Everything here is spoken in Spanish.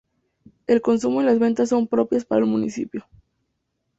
El consumo y las ventas son propias para el municipio.